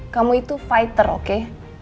kamu itu fighter oke